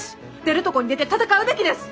出るとこに出て戦うべきです！